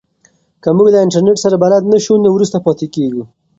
که موږ له انټرنیټ سره بلد نه سو نو وروسته پاتې کیږو.